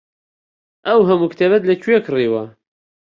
ئەو هەموو کتێبەت لەکوێ کڕیوە؟